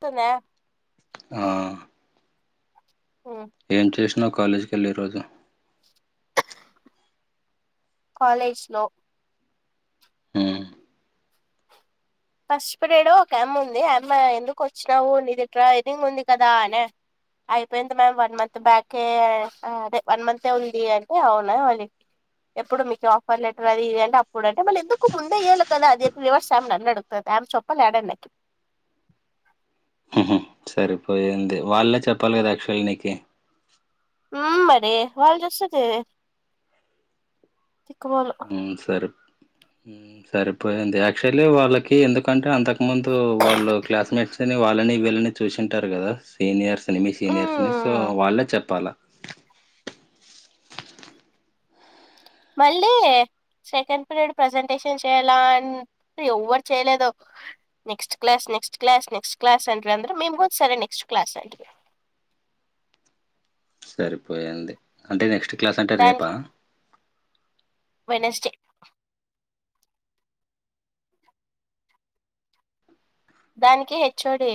తూనే ఆ ఉ ఏం చేసినావ్ కాలేజ్కి కేళ్ళ ఈ రోజు కాలేజ్ లో హ్మ్ ఫస్ట్ పిరేడ్ ఒక ఆమె ఉంది ఆమె ఎందుకు వచ్చినావు నీది ఇట్రా ఎడిటింగ్ ఉంది గదా అనే అయిపోయింది మ్యామ్ వన్ మంత్ బ్యాకే అదే వన్ మంత్ ఎ ఉంది అంటే అవునా అ ఎప్పుడు మీకు ఆఫర్ లెటర్ అది ఇది అంట అప్పుడ్ అంటే మళ్ళీ ఎందుకు ముందేయ్యాలి గదా అ రివర్స్ ఆమె నన్ను అడు ఆమె చెప్పాలి డాడ అన్నకి హుహు సరిపోయింది వాళ్ళే చెప్పాలి గదా అక్క్షవల్ నీకి ఉమ్ మరి వాళ్ళు చూస్తది తిక్కలోళ్ళు మ్ సరే ఉ సరిపోయింది అక్చువల్లీ వాళ్ళకి ఎందుకంటే అంతకు ముందు వాళ్ళు క్లాస్మేట్స్ అని వాళ్ళని వీళ్ళని చూసింటారు గదా సీనియర్స్ని మీ సీనియర్స్ని సో మ్మ్ వాళ్ళే చెప్పాలా మళ్ళీ సెకండ్ పీరియడ్ ప్రజెంటేషన్ చేయాల అంట ఎవ్వరు చేయలేదు next class next class next class అంట అంద్ర సరే మేము నెక్స్ట్ క్లాస్ అంటున్నాం సరిపోయింది అంటే నెక్స్ట్ క్లాస్ అంటే రేపా వెనస్టే దానికి హెచ్వోడి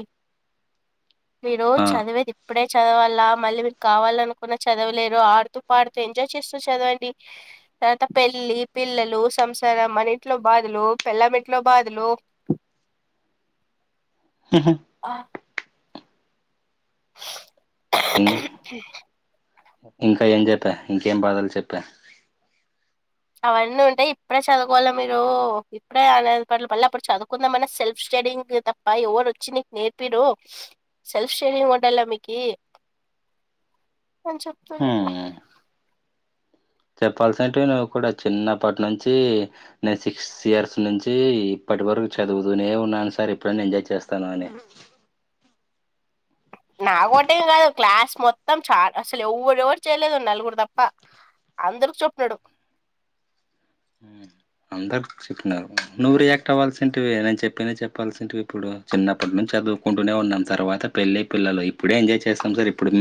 మీరు ఆ చదివేది ఇప్పుడే చదవాలా మళ్ళీ మీరు కావాల అనుకున్నా చదవలేరు ఆడుతూ పాడుతూ ఎంజాయ్ చేస్తూ చదవండి తర్వాత పెళ్ళి పిల్లలు సంసారం మన ఇంట్లో బాధలు పెళ్ల్ల ఇంట్లో బాధలు హహ ఆ ఇం ఉ ఇంకా ఏం చెప్పా ఇంకేం బాధలు చెప్పా అవన్నీ ఉంటయి ఇప్పుడే చదువుకోవాలి మీరు ఇప్పుడే ఆన పల వల్ల అప్పుడు చదువుకుందాం మన సెల్ఫ్ స్టడీంగ్ తప్ప ఎవరు వచ్చి నీకు నేర్పిరు సెల్ఫ్ షేరింగ్ ఉండాల మీకి అని చెప్తుండే చెప్పాల్సినంటే నువ్వు కూడా చిన్నప్పటి నుంచి నేను సిక్స్ ఇయర్స్ నుంచి ఇప్పటి వరకు చదువుతూనే ఉన్నాను సార్ ఎప్పుడనా ఎంజాయ్ చేస్తాన అని నాకుంటే గాదు క్లాస్ మొత్తం చా అసలు ఎవరు ఎవరు చేయలేదు నలుగురు తప్ప అందరకి చెప్పాడు అందరు చెప్పినారు నువ్వు రియాక్ట్ అవ్ల్సింటివి నేను చెప్పిన చెప్పాల్సింటివి ఇప్పుడు చిన్నప్పటి నుంచి చదువు కుంటూనే ఉన్నాం సర్ తర్వాత పెళ్ళి పిల్లలు ఇప్పుడే ఎంజాయ్ చేస్తాం సర్ ఇప్పుడు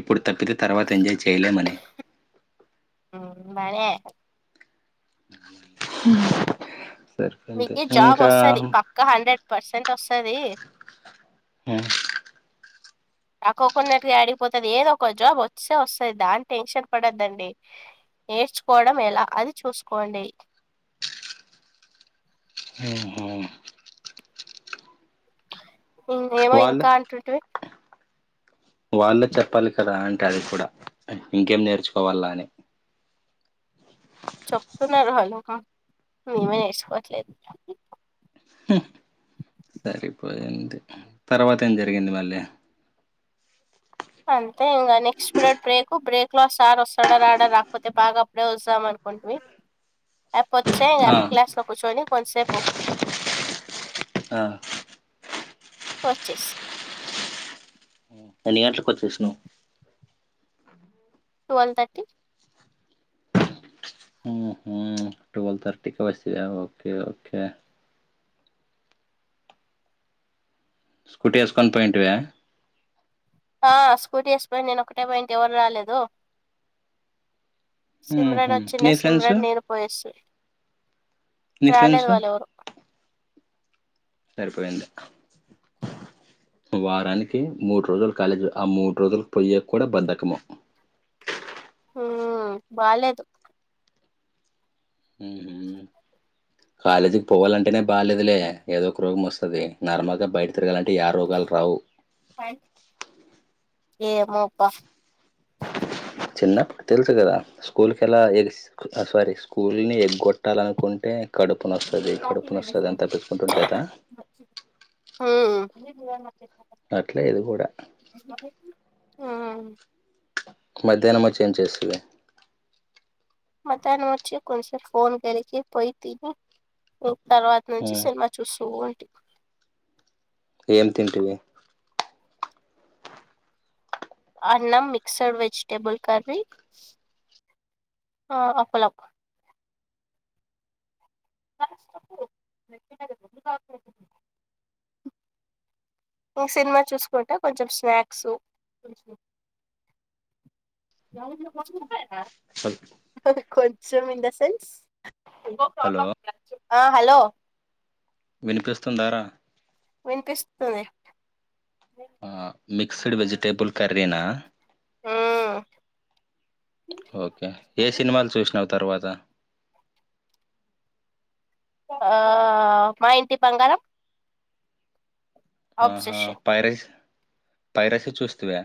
ఇప్పుడు తప్పితే తర్వాత ఎంజాయ్ చేయలేమని ఊ మరే ఇంకా ఇంక హండ్రెడ్ పర్సెంట్ వస్తది ఆ తక్కకున్నట్టుగా ఆడిగిపోతది ఏదో ఒక జాబ్ వస్తే వస్తుంది దాని టెన్షన్ పడద్దండి నేర్చుకోవడం ఎలా అది చూసుకోండి ఆహ ఇంనేమో వాళ్ళు ఇంకా అంటుంటివి వాళ్ళే చెప్పాలి కదా అంటే అది కూడా ఇంకేం నేర్చుకోవాలా అని చెప్తున్నారు వాళ్ళు మేమే నేర్చుకోవట్లేదు సరిపోయింది తర్వాత ఏం జరిగింది మళ్ళీ అంతే ఇంకా నెక్స్ట్ పీరియడ్ బ్రేక్ బ్రేక్ లో సార్ వస్తాడా రాడా రాకపోతే బాగా అప్పుడే వస్తాం అనుకుంటిమి రెప్ ఓచ్చేయ్ ఆ [unintelligible] క్లాస్ లో కూర్చొని కొంసేపు ఆ వచ్చేస్ ఎన్ని గంట్లకి వచ్చేసినవ్ ట్వవల్ తర్టీ ఊహు ఉ ట్వల్వ్ థర్టీకి వస్తాయ ఓకే ఓకే స్కూటీ యేస్కొని పోయింటివ ఆ స్కూటీ ఏసిపోయి నేను ఒకటే పోయింటి ఎవరు రాలేదు సిమ్రన్ ఉహు వచ్చిండే నీ ఫ్రెండ్స్ సిమ్రన్ నేను పోయేస్తి నీ రాలేదు ఫ్రెండ్స్ వాళ్ళెవరు సరిపోయింది వారానికి మూడు రోజులు కాలేజీ ఆ మూడు రోజులు పోయ్య కూడా బంధకము ఊ బాలేదు ఊహు కాలేజీకి పోవాలంటేనే బాగాలేదులే ఏదో ఒక రోగం వస్తది నార్మల్గా బయట తిరగాలంటే యా రోగాలు రావు ఏమోప్ప చిన్నప్పుడు తెలుసు కదా స్కూల్కి ఎలా ఏస్ ఆ సారీ స్కూల్ని ఎగ్గొట్టాలనుకుంటే కడుపు నొస్తది కడుపు నోస్తది అని తపించుకుంటుంటెలేదా ఊ అట్లే ఇది గూడ ఆమ్ మధ్యాహ్నం వచ్చి ఏం చేస్తది మధ్యాహ్నం వచ్చి కొంచెం ఫోన్ గెలికి పోయి తిని తర్వాత నుంచి సినిమా చూస్తూ ఉంటి ఏమ్ తింటివి అన్నం మిక్సడ్ వెజిటబుల్ కర్రీ ఆ అపలం ఇ సినిమా చూసుకుంట కొంచెం స్నాక్స్ కొంచెం ఇన్ ద సెన్స్ హలో ఆ హలొ వినిపిస్తుందార విన్పిస్తుంది మిక్స్డ్ వెజిటేబుల్ కర్రీనా మ్మ్ ఓకే ఏ సినిమాలు చూసినావ్ తర్వాత మా ఇంటి బంగారం అబ్సెషన్ పైరాసి పైరాసి చూస్తీవా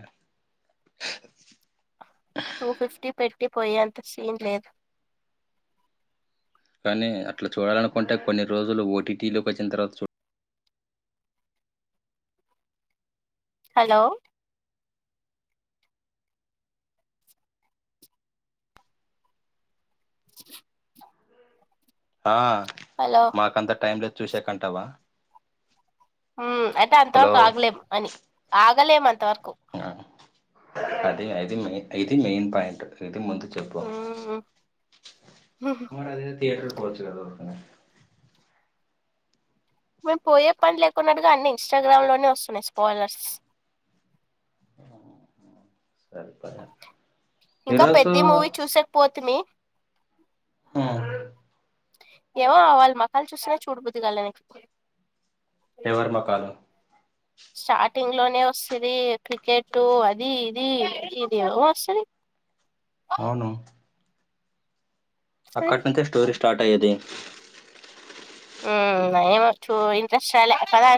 టూ ఫిఫ్టీ పెట్టి పోయే అంత సీన్ లేదు. కానీ అట్లా చూడాలనుకుంటే కొన్ని రోజులు ఓటీటీలోకి వచ్చిన తర్వాత.. హలో.. హలో మాకంత టైం లేదు చూసేకంటావా అంటే అంతవరకు హలో ఆగలేం అని ఆగలేము అంత వరకు అది అది మే ఇది మెయిన్ పాయింట్ ఇది ముందు చెప్పు మ్మ్ అదేదో థీయేటర్ కి పోవచ్చు గద ఉరికినే మేము పోయే పని లేకున్నట్టుగా అన్ని ఇన్స్టాగ్రామ్ లోనే వస్తున్నాయి. స్పాలర్స్. సరిపోయా ఇంకా ఈరోజు పెద్ది మూవీ చూసేకిపొతిమి హ్మ్ ఏమో వాళ్ళు మకాలు చూస్తేనే చూడబుద్దిగాలె ఎవరు మోకాలు స్టార్టింగ్ లోనే వస్తుంది. క్రికెట్ అది ఇది ఇదిో వస్తుంది. అవును అక్కట్ నుంచే స్టోరీ స్టార్ట్ అయ్యేది. ఏమ చూ ఇంట్రెస్ట్ రాలే పదా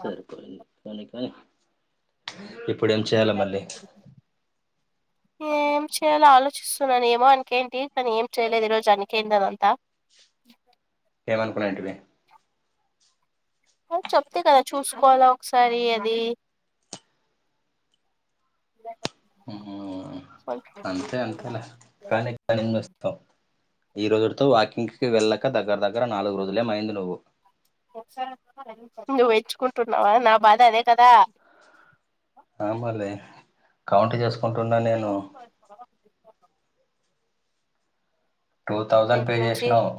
సరిపోయింది కానీ కానీ ఇప్పుడు ఏం చేయాల మళ్ళీ ఏం చేయలో ఆలోచిస్తున్నాను. ఏమో అనకేంటి తను ఏం చేయలేదు ఈ రోజు అనకేంటి దనింతా ఏమనుకున్నా ఏంటి ఇే చెప్తే కదా చూసుకోవాలా ఒకసారి అది ఇ హ్మ్మ్ అంతే అంతేలా కానీ ఈ రోజుతో వాకింగ్కి వెళ్ళక దగ్గర దగ్గర నాలుగు రోజులేమ అయింది. నువ్వు నువ్వుేచ్చుకుంటున్నావా నా బాధ అదే కదా రామలే కౌంట్ చేసుకుంటున్నా. నేను టూ థౌజండ్ రేపు పే నుంచి చేసినావు.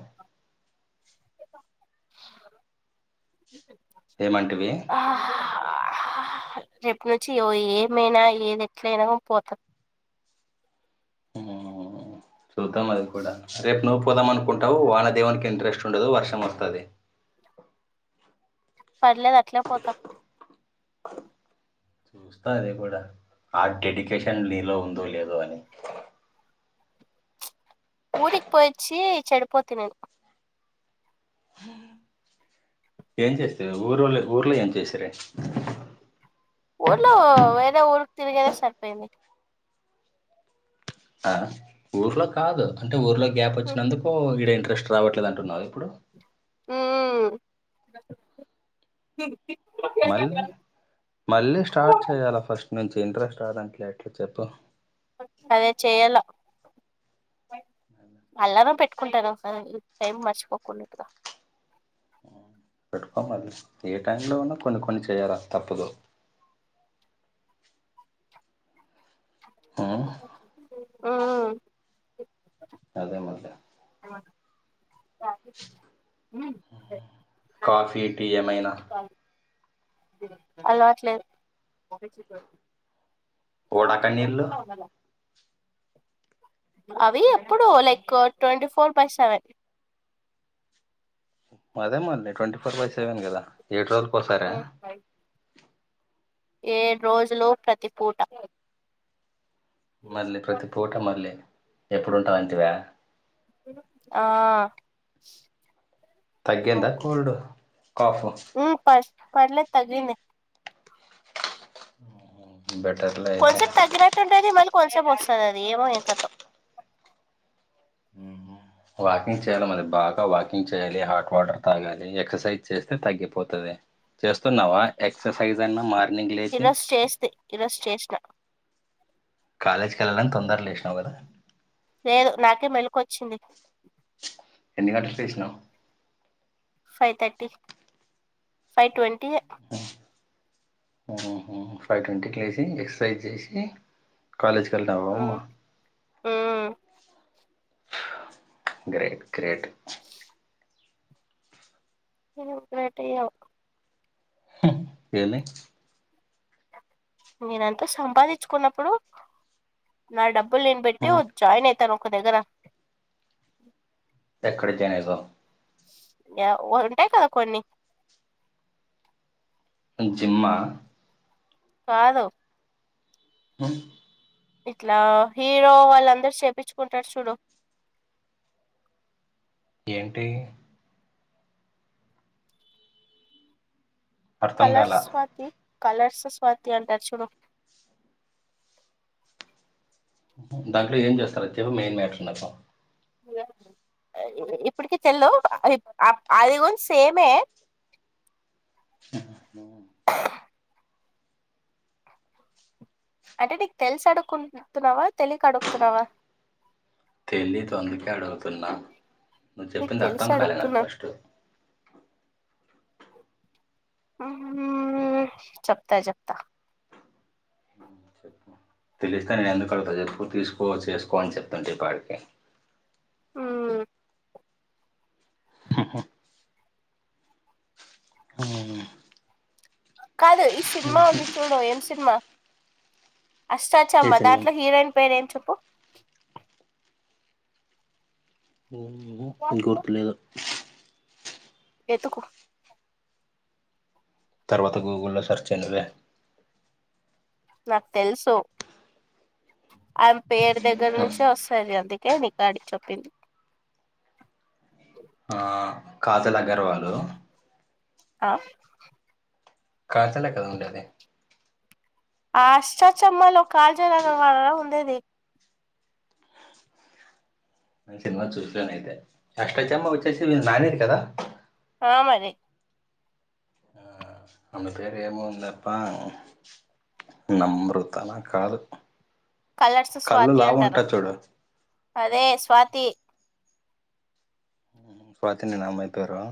ఏమంటివి [inaudible] రేపు నుంచి ఏమైనా ఏది ఎట్ల అయినా పోతా చూద్దాం అది కూడా రేపు నువ్వు పోదామ అనుకుంటావు వానదేవనికి ఇంట్రెస్ట్ ఉండదు. వర్షం వస్తుంది. పర్లేదు. దట్లా పోత చూస్తా అది కూడా ఆ డెడికేషన్ నీలో ఉందో లేదో అని. ఊరీకి పోయాచీ చెడుపోతిని నెను ఏం చేస్తిరి ఊర్ళ్ళ ఊర్లో ఏం చేసిరి ఊళ్ళ వేరే ఊరికి తిరిగాడమే సరిపోయింది. ఆ ఊర్లో కాదు అంటే ఊర్లో గ్యాప్ వచ్చినందుకు ఈడ ఇంట్రెస్ట్ రావట్లేదు అంటున్నారు. ఇప్పుడు ఆ మళ్ళీ మళ్ళీ స్టార్ట్ చేయాల ఫస్ట్ నుంచి ఇంట్రెస్ట్ రాదంట్లో ఎట్లా చెప్పు అదే చెయాల అల్లారం పెట్టుకుంటను ఒకసారి టైం మర్చిపోకుండాట్టుగా పెట్టుకోమది ఏ టైంలో ఉన్నా కొన్ని కొన్ని చేయాలా తప్పదు మ్మ్ అదే మరి కాఫీ టీ ఏమైన అలవాటు లేదు ఉడక నీళ్లు అవి ఎప్పుడు like twenty four by seven అదే మళ్ళీ ట్వంటీ ఫోర్ బై సెవెన్ కదా ఏడు రోజుల పోసారా బ ఏడు రోజులు ప్రతి పూట మళ్ళీ ప్రతి పూట మళ్ళీ ఎప్పుడుంట అంటివ ఆ తగ్గిందా కుల్డ్ కాఫ్ ఉ [unintelligible] తగ్గింది బెటర్లే అయితే కొంచెంపు తగ్గినట్టుంటేది మళ్ళీ కొంచసేపు వస్తుంది అది ఏమో ఎం కథో ఉ వాకింగ్ చేయలో అది బాగా వాకింగ్ చేయాలి హాట్ వాటర్ తాగాలి ఎక్సర్సైజ్ చేస్తే తగ్గిపోతది చేస్తున్నావా ఎక్సర్సైజ్ అన్నా మార్నింగ్ లేచి ఈరోజు చేస్తే ఈ రోజు చేసిన కాలేజ్కి వెళ్ళాలని తొందర్గ లేసినా కదా లేదు నాకే మెలికొచ్చింది ఎన్ని గంటలకు లేసినవ్ ఫైవ్ థట్టి ఫైవ్ ట్వంటీ ఉహు ఫైవ్ ట్వంటీకి లేసి ఎక్సర్సైజ్ చేసి కాలేజ్ వెళ్త [unintelligible] ఉమ్మ ఉమ్ గ్రేట్ గ్రేట్ ఎం గ్రేటో ఏమో [unintelligible] నేనంతా సంపాదించుకున్నప్పుడు నా డబ్బులు నేను పెట్టి [unintelligible] జాయిన్ అయితాను ఒక దగ్గర ఎక్కడ జాయినైతావ్ య ఉంటాయి కదా కొన్ని జిమ్మ కాదు ఉ ఇట్లా హీరో వాళ్ళందరు చేపిచుకుంటారు చూడు ఏంటి అర్థం కాల కలర్స్ స్వాతి కలర్స్ స్వాతి అంటారు చూడు దాంట్లో ఏం చేస్తారు అది చెప్పు మెయిన్ మ్యాటర్ నాకు ల అది ఇప్పటికి తెల్దు అ అదిగూడ సేమే ఉ అంటే నీకు తెలిసు అడుకుంటున్నావా తెలిక అడుగుతున్నావా తెలీదు అందుకే అడుగుతున్నా నువ్వు నీకు చెప్పింది అర్థం తెలిసి కాలే నాకు అడుగుతున్నా ఫస్ట్ అ ఉ చెప్తా చెప్తా తెలిస్తే నేను ఎందుకుడత చెప్పు తీసుకో చేసుకో అని చెప్తుంటే ఈ పాటికే ఉ ఉహు ఉ కాదు ఈ సినిమా ఉంది చూడు ఏం సినిమా అష్టా ఏ చమ్మా సినిమా దాంట్లో హీరోయిన్ పేరు ఏం చెప్పు ఉహు గుర్తులేదు ఎతుకు తర్వాత గూగుల్లో సెర్చచెయ్ నువ్వే నాకు తెలుసు ఆయమె పేరు దగ్గర నుంచే వస్ సరే అందుకే నీకి అడికి చెప్పింది ఆ కాజల్ అగర్వాలు ఆ కాజలే కదా ఉండేది ఆ ఆష్ట చమ్మలో కాజలగర్వాల్లా ఉండేది నేను సినిమా చూసాను అయితే అస్టా చమ్మ వచ్చేసి నానిది కదా ఆ మరి ఆ ఆమె పేరు ఏమో ఉంది అబ్బా నమ్రత నా కాదు కలర్స్ కళ్ళు స్వాతి లావు ఉంటా అంటారు చూడు అదే స్వాతి స్వాతి నేన ఆ అమ్మాయి పేరు